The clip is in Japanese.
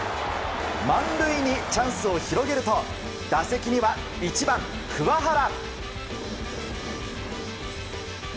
満塁にチャンスを広げると打席には１番、桑原。